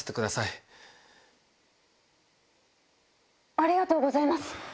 ありがとうございます。